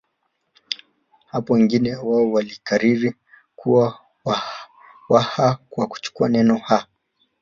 Hapo wageni hao walikariri kuwa Waha kwa kuchukua neno ha